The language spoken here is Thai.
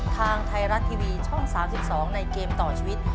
ทางไทยรัฐทีวีช่อง๓๒ในเกมต่อชีวิต